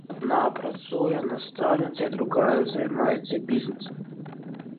Адна працуе настаўніцай, другая займаецца бізнесам.